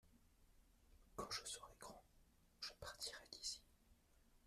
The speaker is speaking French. quand je serais grand je partirai d'ici.